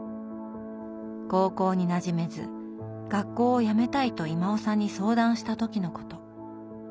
高校になじめず学校をやめたいと威馬雄さんに相談した時のこと。